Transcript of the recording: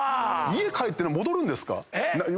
家帰ったら戻るんですか？